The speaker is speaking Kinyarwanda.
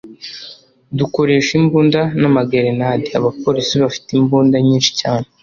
Dukoresha imbunda n’amagerenade…abapolisi bafite imbunda nyinshi cyane